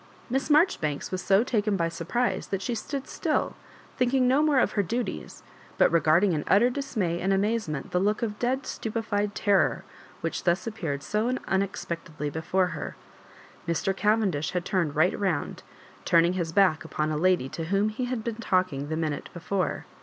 Miss Marjoribanks was so taken by surprise that she stood still, thinking no more of her duties, but regarding in utter dismay and amazement the look of dead stupefied terror which thus appeared so unex pectedly before her. Mr. Cavendish had turned right round, turning his back upon a lady to whom he had been talking the minute before.